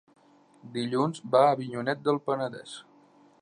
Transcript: Dilluns va a Avinyonet del Penedès.